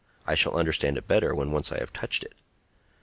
I shall understand it better when once I have touched it."